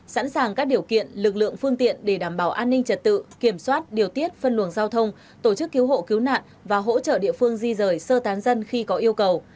sẵn sàng các điều kiện lực lượng phương tiện để đảm bảo an ninh trật tự kiểm soát điều tiết phân luồng giao thông tổ chức cứu hộ cứu nạn và hỗ trợ địa phương di rời sơ tán dân khi có yêu cầu